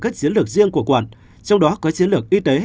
các chiến lược riêng của quận trong đó có chiến lược y tế